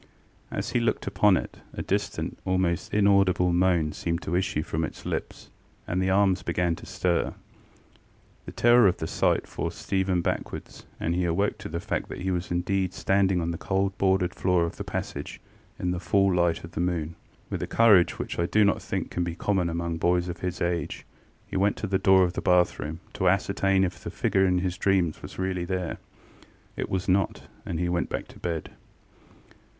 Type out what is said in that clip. As he looked upon it, a distant, almost inaudible moan seemed to issue from its lips, and the arms began to stir. The terror of the sight forced Stephen backwards, and he awoke to the fact that he was indeed standing on the cold boarded floor of the passage in the full light of the moon. With a courage which I do not think can be common among boys of his age, he went to the door of the bathroom to ascertain if the figure of his dream were really there. It was not, and he went back to bed.